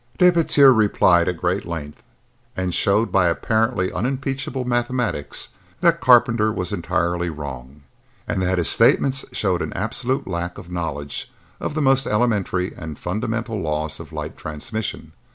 Despetier replied at great length and showed by apparently unimpeachable mathematics that Carpenter was entirely wrong and that his statements showed an absolute lack of knowledge of the most elementary and fundamental laws of light transmission.